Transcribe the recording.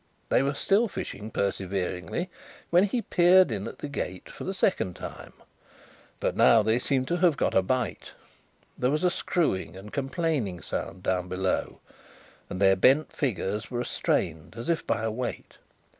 They were still fishing perseveringly, when he peeped in at the gate for the second time; but, now they seemed to have got a bite. There was a screwing and complaining sound down below, and their bent figures were strained, as if by a weight.